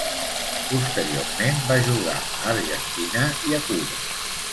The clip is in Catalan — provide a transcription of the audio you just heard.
Posteriorment va jugar a Argentina i a Cuba.